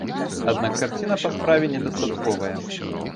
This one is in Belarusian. Аднак карціна па справе недастатковая.